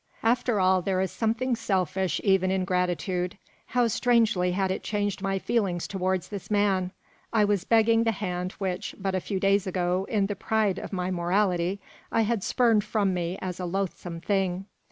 After all, there is something selfish even in gratitude. How strangely had it changed my feelings towards this man! I was begging the hand which, but a few days before, in the pride of my morality, I had spurned from me as a loathsome thing.